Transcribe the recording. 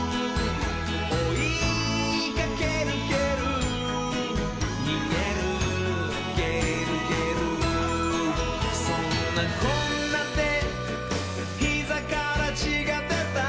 「おいかけるけるにげるげるげる」「そんなこんなでひざからちがでた」